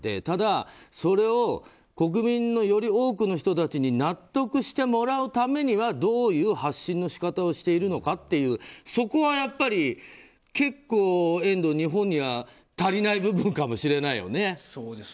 ただ、それを国民のより多くの人たちに納得してもらうためにはどういう発信の仕方をしているのかっていうそこは結構、遠藤、日本には足りない部分かもしれないよね。